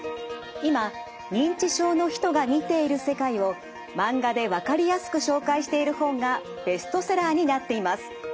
今認知症の人が見ている世界をマンガでわかりやすく紹介している本がベストセラーになっています。